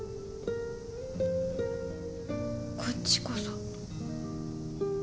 こっちこそ。